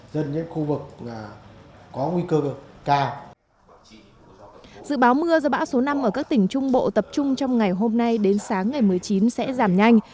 dự báo mưa do bão số năm ở các tỉnh trung bộ tập trung trong ngày hôm nay đến sáng ngày một mươi chín sẽ giảm nhanh